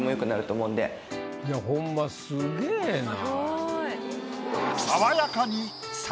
いやホンマすげぇな。